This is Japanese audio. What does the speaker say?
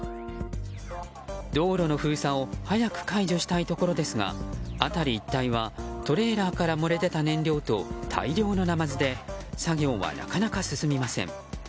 道路の封鎖を早く解除したいところですが辺り一帯はトレーラーから漏れ出た燃料と大量のナマズで作業は、なかなか進みません。